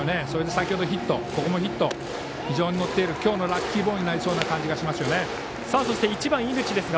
先ほどヒットでここもヒットで非常に乗っている今日のラッキーボーイになりそうな感じがしますね。